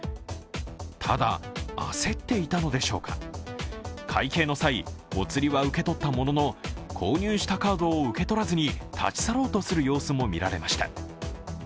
ただ、焦っていたのでしょうか会計の際、お釣りは受け取ったものの購入したカードを受け取らずに立ち去ろうとする様子も見られました。